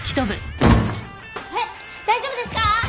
えっ大丈夫ですか？